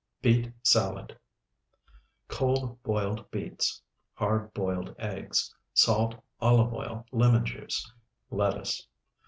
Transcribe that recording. BEET SALAD Cold, boiled beets. Hard boiled eggs. Salt, olive oil, lemon juice. Lettuce.